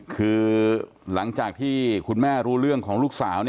คือหลังจากที่คุณแม่รู้เรื่องของลูกสาว